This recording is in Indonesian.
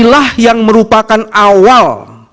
inilah yang merupakan awal